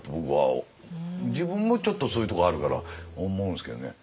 自分もちょっとそういうところあるから思うんですけどね。